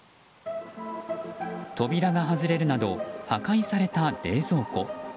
扉が外れるなど破壊された冷蔵庫。